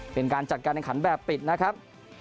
เป็นการจัดการแข่งขันแบบปิดนะครับ